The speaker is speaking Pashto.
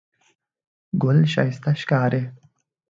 ګل ښایسته ښکاري.